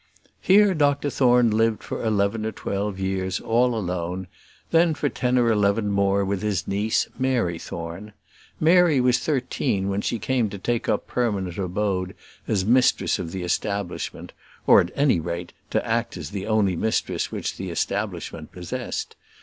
Here Dr Thorne lived for eleven or twelve years, all alone; and then for ten or eleven more with his niece, Mary Thorne. Mary was thirteen when she came to take up permanent abode as mistress of the establishment or, at any rate, to act as the only mistress which the establishment possessed.